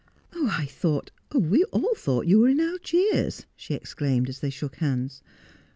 ' I thought — we all thought you were in Algiers,' she ex claimed, as they shook hands.